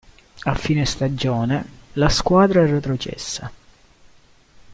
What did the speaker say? A fine stagione, la squadra è retrocessa.